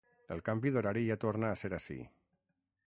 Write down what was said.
El canvi d’horari ja torna a ser ací.